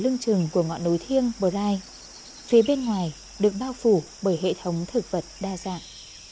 trong trường của ngọn núi thiêng bờ gai phía bên ngoài được bao phủ bởi hệ thống thực vật đa dạng